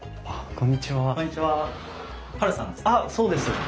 あっそうです。